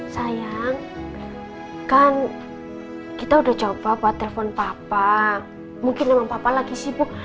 sayang kan kita udah coba buat telepon papa mungkin mama papa lagi sibuk